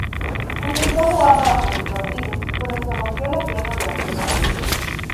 Empezó jugando bastantes partidos, pero se rompió la pierna durante un partido.